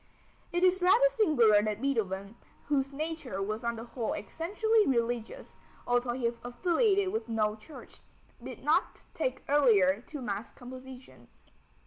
It is rather singular that Beethoven, whose nature was on the whole essentially religious, although he affiliated with no church, did not take earlier to mass composition.